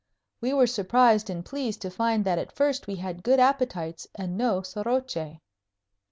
We were surprised and pleased to find that at first we had good appetites and no soroche.